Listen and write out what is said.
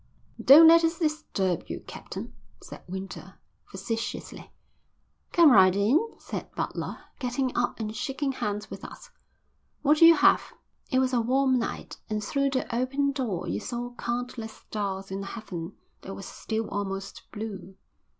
"Don't let us disturb you, Captain," said Winter, facetiously. "Come right in," said Butler, getting up and shaking hands with us. "What'll you have?" It was a warm night, and through the open door you saw countless stars in a heaven that was still almost blue.